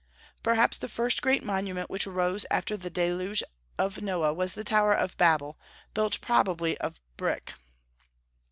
Perhaps the first great monument which arose after the deluge of Noah was the Tower of Babel, built probably of brick.